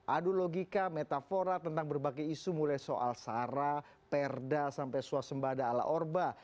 adu logika metafora tentang berbagai isu mulai soal sara perda sampai suasembada ala orba